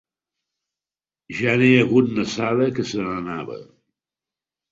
Ja n'he hagut nassada que se n'anava.